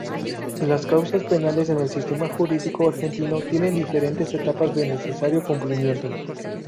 Las causas penales en el sistema jurídico argentino tienen diferentes etapas de necesario cumplimiento.